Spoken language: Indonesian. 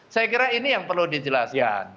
saya kira ini yang perlu dijelaskan